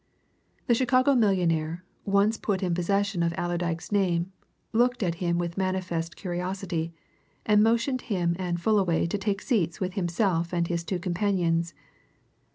The Chicago millionaire, once put in possession of Allerdyke's name, looked at him with manifest curiosity, and motioned him and Fullaway to take seats with himself and his two companions.